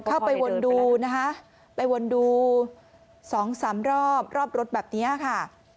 เข้าไปวนดูนะคะไปวนดูสองสามรอบรอบรถแบบนี้ค่ะ